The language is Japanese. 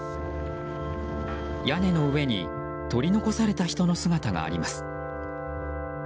屋根の上に取り残された人の姿があります。